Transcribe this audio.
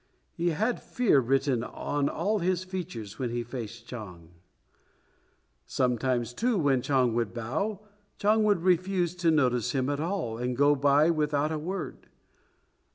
He had fear written on all his features when he faced Chang. Sometimes, too, when Chon would bow, Chang would refuse to notice him at all, and go by without a word.